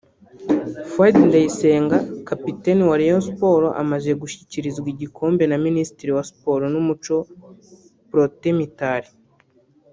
Fuadi Ndayisenga Kapiteni wa Rayon Sport amaze gushyikirizwa igikombe na Minisitiri wa Sport n’umuco Protais Mitali